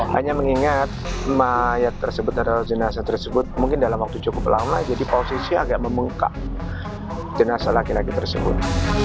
hanya mengingat mayat tersebut atau jenazah tersebut mungkin dalam waktu cukup lama jadi posisi agak membengkak jenazah laki laki tersebut